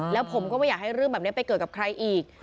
แล้วผมก็ไม่อยากให้เรื่องแบบนี้ไปเกิดกับใครอีก